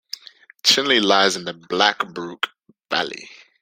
Chinley lies in the Blackbrook Valley.